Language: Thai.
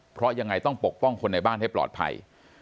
เพราะยังไงต้องปกป้องคนในบ้านให้ปลอดภัย